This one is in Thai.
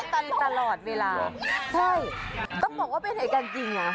ตันตลอดเวลาใช่ต้องบอกว่าเป็นเหตุการณ์จริงอ่ะ